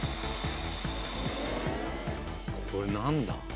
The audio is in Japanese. これ何だ？